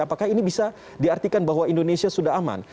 apakah ini bisa diartikan bahwa indonesia sudah aman